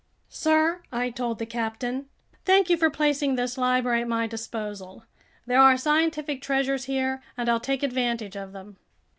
"Sir," I told the captain, "thank you for placing this library at my disposal. There are scientific treasures here, and I'll take advantage of them."